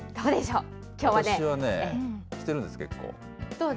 私はね、してるんです、結構。